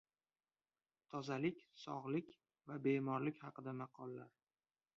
Tozalik, sog‘lik va bemorlik haqida maqollar.